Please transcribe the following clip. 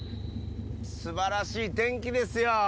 すばらしい天気ですよ。